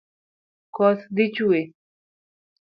Koth dhi chwe